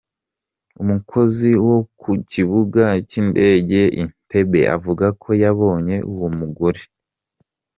Umukozi wok u kibuga cy’ indege Entebbe avuga ko yabonye uwo mugore yariyahuye.